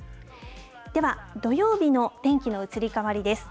では土曜日の天気の移り変わりです。